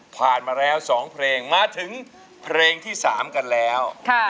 ผ่านมาแล้ว๒เพลงมาถึงเพลงที่๓กันแล้ว